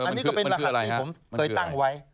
อันนี้ก็เป็นรหัสที่ผมเคยตั้งไว้